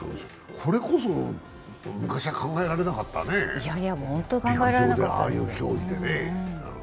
これこそ昔は考えられなかったね、陸上でああいう競技でね。